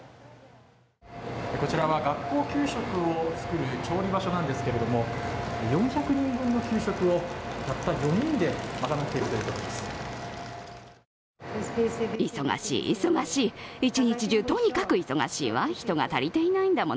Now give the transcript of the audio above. こちらは学校給食を作る調理場所なんですけれども、４００人分の給食をたった５人で賄っているということです。